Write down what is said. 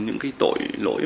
những tội lỗi